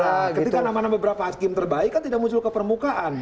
nah ketika nama nama beberapa hakim terbaik kan tidak muncul ke permukaan